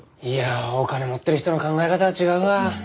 いやあお金持ってる人の考え方は違うわ。